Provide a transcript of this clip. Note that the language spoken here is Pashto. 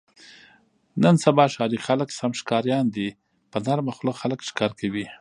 نن سبا ښاري خلک سم ښکاریان دي. په نرمه خوله خلک ښکار کوي.